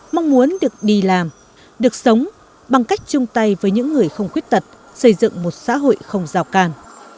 mong muốn được đi làm được sống bằng cách chung tay với những người không khuyết tật xây dựng một xã hội không rào càn